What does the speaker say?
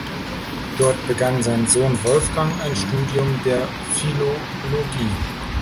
Dort begann sein Sohn Wolfgang ein Studium der Philologie.